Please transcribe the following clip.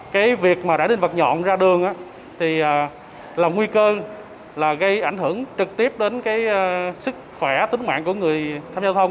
cái việc mà đẩy đinh vật nhọn ra đường thì là nguy cơ là gây ảnh hưởng trực tiếp đến cái sức khỏe tính mạng của người tham gia giao thông